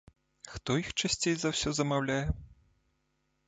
Хто іх часцей за ўсё замаўляе?